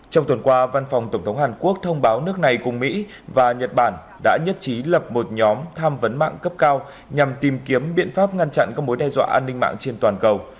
trong tuần qua văn phòng tổng thống hàn quốc thông báo nước này cùng mỹ và nhật bản đã nhất trí lập một nhóm tham vấn mạng cấp cao nhằm tìm kiếm biện pháp ngăn chặn các mối đe dọa an ninh mạng trên toàn cầu